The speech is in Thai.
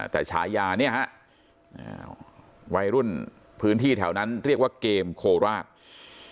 แต่ฉายาเนี่ยฮะวัยรุ่นพื้นที่แถวนั้นเรียกว่าเกมโคราช